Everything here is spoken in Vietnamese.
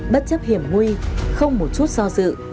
bất chấp hiểm nguy không một chút so dự